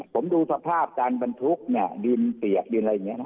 ผมดูสภาพการบันทุกข์เนี่ยดินเสียบินอะไรเนี่ยนะ